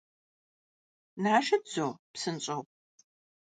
Нажэт, зо, псынщӏэу…